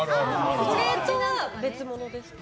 それとは別物ですか？